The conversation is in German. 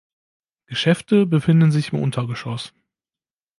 Geschäfte befinden sich im Untergeschoss.